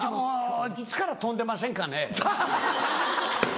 いつから跳んでませんかね？